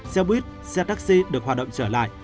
xe buýt xe taxi được hoạt động trở lại